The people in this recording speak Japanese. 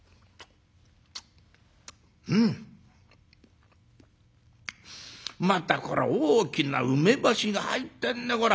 「うん！またこら大きな梅干しが入ってんねこら。